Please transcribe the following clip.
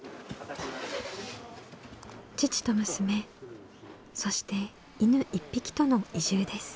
父と娘そして犬１匹との移住です。